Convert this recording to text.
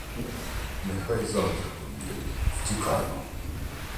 — Нехай завтра повідаю. Втікаймо.